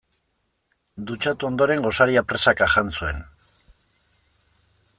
Dutxatu ondoren gosaria presaka jan zuen.